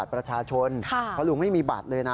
เพราะลุงไม่มีบัตรเลย